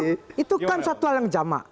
nah itu kan satu hal yang jamak